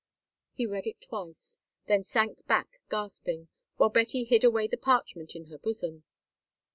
He read it twice, then sank back gasping; while Betty hid away the parchment in her bosom.